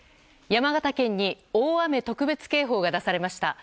山形県に大雨特別警報が出されました。